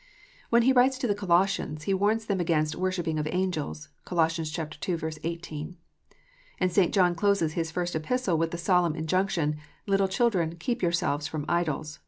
When he writes to the Colossians, he warns them against " worshipping of angels." (Col. ii. 18.) And St. John closes his first Epistle with the solemn injunction, " Little children, keep yourselves from idols."